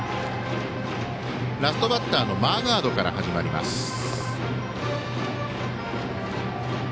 ラストバッターのマーガードから始まります。